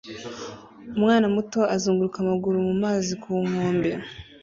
Umwana muto azunguruka amaguru mu mazi ku nkombe